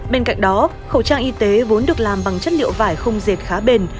bên cạnh đó khẩu trang y tế vốn được làm bằng chất liệu vải không dệt khá bền